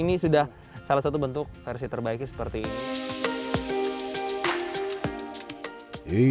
ini sudah salah satu bentuk versi terbaiknya seperti ini